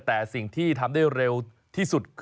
แต่สิ่งที่ทำได้เร็วที่สุด